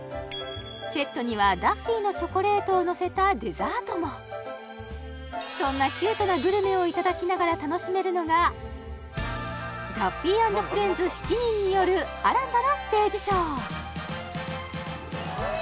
セットにはダッフィーのチョコレートをのせたデザートもそんなキュートなグルメをいただきながら楽しめるのがダッフィー＆フレンズ７人による新たなステージショーうわ